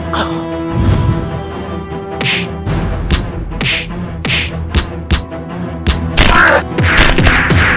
tam adalah kapal